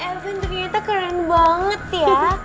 elvin ternyata keren banget ya